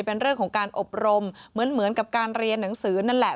เป็นเรื่องของการอบรมเหมือนกับการเรียนหนังสือนั่นแหละ